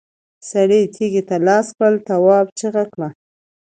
سړي تېږې ته لاس کړ، تواب چيغه کړه!